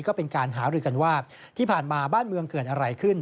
ก็เป็นการหารือกันว่าที่ผ่านมาบ้านเมืองเกิดอะไรขึ้น